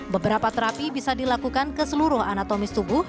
beberapa terapi bisa dilakukan ke seluruh anatomis tubuh